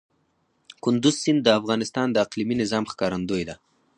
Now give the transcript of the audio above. کندز سیند د افغانستان د اقلیمي نظام ښکارندوی ده.